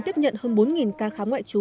tiếp nhận hơn bốn ca khám ngoại chú